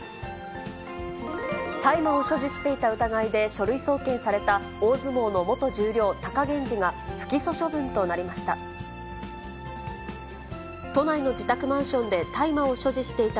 大麻を所持していた疑いで書類送検された大相撲の元十両・貴源治が、不起訴処分となりました。